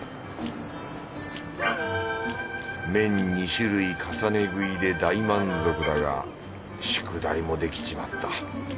麺２種類重ね食いで大満足だが宿題もできちまった。